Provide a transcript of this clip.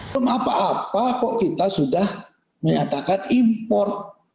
belum apa apa kok kita sudah menyatakan impor